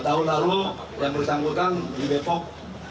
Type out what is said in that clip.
tahun lalu yang bersangkutan di depok